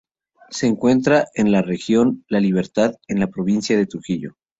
Se encuentra en la región La Libertad, en las provincia de Trujillo.